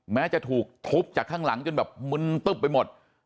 แม้จะถูกทุบจากข้างหลังจนแบบมึนตึ๊บไปหมด